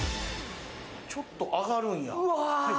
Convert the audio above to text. ちょっと上がるんや。